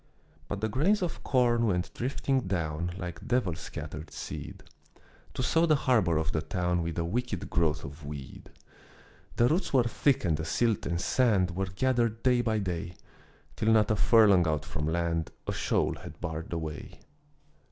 But the grains of corn went drifting down Like devil scattered seed, To sow the harbor of the town With a wicked growth of weed. The roots were thick and the silt and sand Were gathered day by day, Till not a furlong out from land A shoal had barred the way.